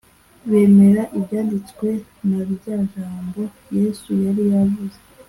Bemera ibyanditswe na rya jambo yesu yari yaravuze